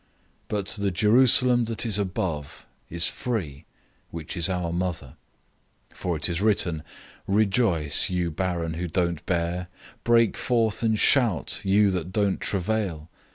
004:026 But the Jerusalem that is above is free, which is the mother of us all. 004:027 For it is written, "Rejoice, you barren who don't bear. Break forth and shout, you that don't travail.